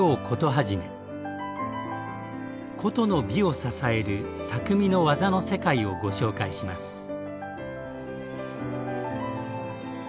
古都の美を支える「匠の技の世界」をご紹介します。